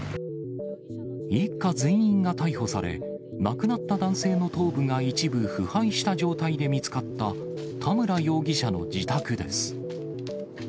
一家全員が逮捕され、亡くなった男性の頭部が一部腐敗した状態で見つかった田村容疑者の自宅です。